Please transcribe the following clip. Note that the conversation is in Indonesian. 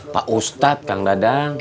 pak ustad kang dadang